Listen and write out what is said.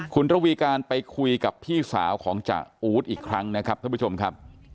คุณระวีการไปคุยกับพี่สาวของจ่าอู๊ดอีกครั้งนะครับท่านผู้ชมครับ